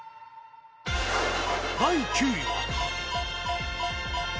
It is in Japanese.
第９位は。